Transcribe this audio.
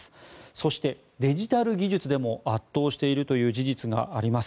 そして、デジタル技術でも圧倒しているという事実があります。